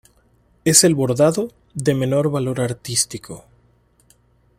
Es el bordado de menor valor artístico.